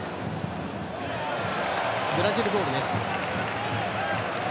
ブラジルボールです。